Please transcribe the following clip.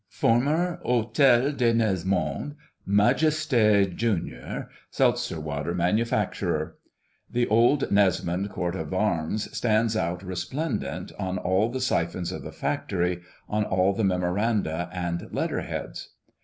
Former Hôtel de Nesmond. MAJESTÉ, JR., Seltzer water Manufacturer. The old Nesmond coat of arms stands out, resplendent, on all the siphons of the factory, on all the memoranda and letter heads.